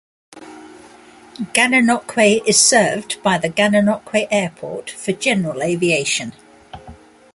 Gananoque is served by the Gananoque Airport for general aviation.